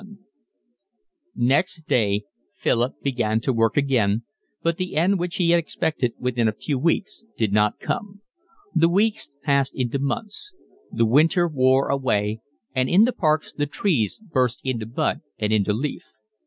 CXI Next day Philip began work again, but the end which he expected within a few weeks did not come. The weeks passed into months. The winter wore away, and in the parks the trees burst into bud and into leaf.